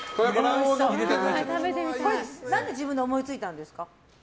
何で自分で思いついたんですか。